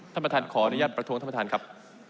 ท่านประธานขออนุญาตประท้วงท่านประธานครับ